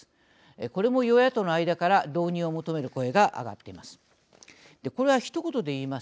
これも与野党の間から導入を求める声が上がっています。